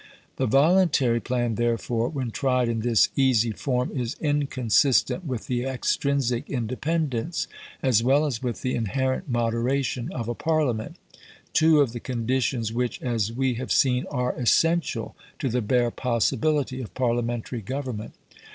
The voluntary plan, therefore, when tried in this easy form is inconsistent with the extrinsic independence as well as with the inherent moderation of a Parliament two of the conditions which, as we have seen, are essential to the bare possibility of Parliamentary government.